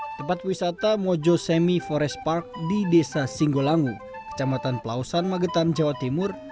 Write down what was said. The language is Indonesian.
di tempat wisata mojo semi forest park di desa singgolangu kecamatan pelausan magetan jawa timur